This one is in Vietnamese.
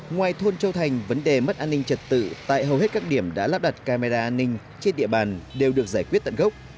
ngoài thôn châu thành vấn đề mất an ninh trật tự tại hầu hết các điểm đã lắp đặt camera an ninh trên địa bàn đều được giải quyết tận gốc